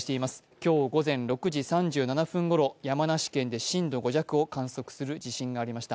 今日午前６時３５分ごろ、山梨県で震度５弱を観測する地震がありました。